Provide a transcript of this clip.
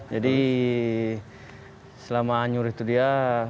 jadi selama hanyut itu dia